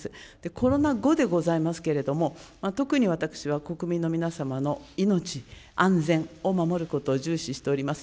コロナ後でございますけれども、特に、私は国民の皆様の命、安全を守ることを重視しております。